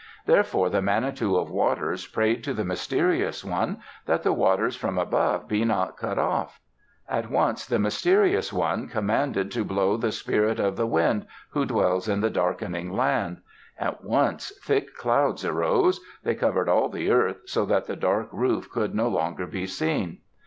Therefore the Manitou of Waters prayed to the Mysterious One that the waters from above be not cut off. At once the Mysterious One commanded to blow the Spirit of the Wind, who dwells in the Darkening Land. At once thick clouds arose. They covered all the earth, so that the dark roof could no longer be seen.